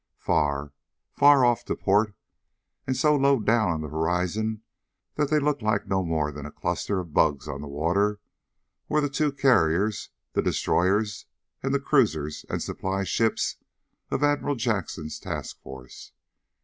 Far, far off to port, and so low down on the horizon that they looked like no more than a cluster of bugs on the water, were the two carriers, the destroyers and the cruisers and supply ships of Admiral Jackson's task force.